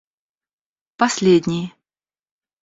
последний